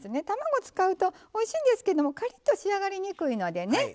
卵使うとおいしいんですけどもカリッと仕上がりにくいのでね